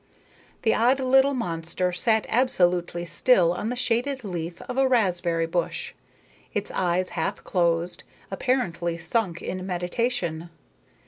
The odd little monster sat absolutely still on the shaded leaf of a raspberry bush, its eyes half closed, apparently sunk in meditation.